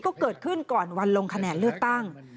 ก็เกิดขึ้นก่อนวันลงคะแนนเลือกตั้ง